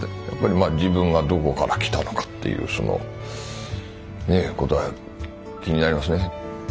やっぱりまあ自分がどこから来たのかっていうことは気になりますね。